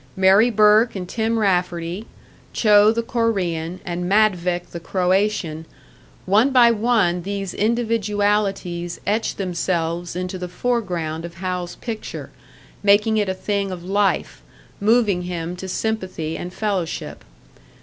Mary Burke and Tim Rafferty, Cho the Korean and Madvik the Croatian one by one these individualities etched themselves into the foreground of Hal's picture, making it a thing of life, moving him to sympathy and fellowship.